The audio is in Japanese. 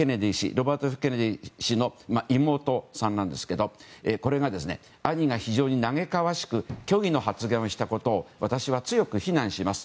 ロバート・Ｆ・ケネディ氏の妹さんですが兄が非常に嘆かわしく虚偽の発言をしたことを私は強く非難します。